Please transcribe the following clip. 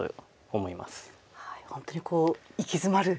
本当に息詰まる